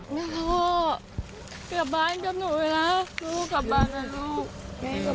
เมื่อพ่อไปกับบ้านก็หนุ่มไปน่ะลูกกลับบ้านน่ะลูก